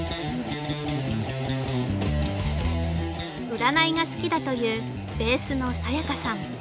占いが好きだというベースのＳａｙａｋａさん